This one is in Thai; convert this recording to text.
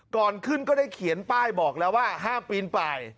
ก่อนขึ้นก็ได้เขียนป้ายบอกแล้วว่าห้ามปีนไป